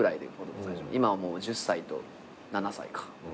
今はもう１０歳と７歳か。